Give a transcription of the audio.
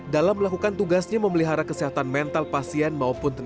dalam melakukan tugasnya memelihara kesehatan mental desi juga mencari teman teman yang berpengalaman